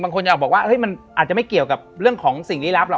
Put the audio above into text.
จะออกบอกว่ามันอาจจะไม่เกี่ยวกับเรื่องของสิ่งลี้ลับหรอ